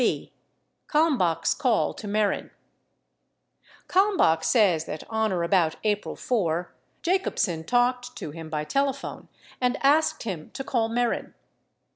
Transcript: b. Ealmbach's call to Mehren Kalmbach says that on or about April 4 Jacobsen talked to him by telephone and asked him to call Mehren.